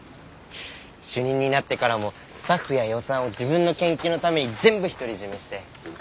主任になってからもスタッフや予算を自分の研究のために全部独り占めして。